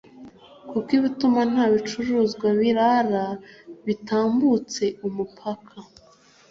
kuko bituma nta bicuruzwa birara bitambutse umupaka